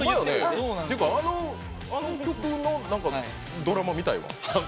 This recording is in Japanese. あの曲のドラマ、見たいわ。